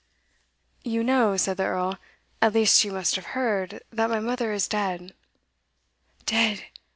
"You know," said the Earl, "at least you must have heard, that my mother is dead." "Dead!